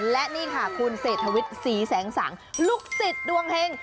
และนี่ค่ะคุณเศรษฐวิทย์ศรีแสงสังลูกศิษย์ดวงเฮง